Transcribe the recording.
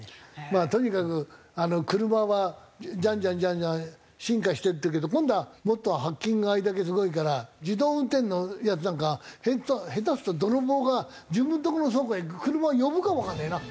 まあとにかく車はジャンジャンジャンジャン進化していってるけど今度はもっとハッキングがあれだけすごいから自動運転のやつなんか下手すると泥棒が自分のとこの倉庫へ車を呼ぶかもわかんねえな。